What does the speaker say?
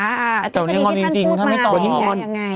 อาทิสดีที่ท่านพูดมาอย่างไรอย่างไร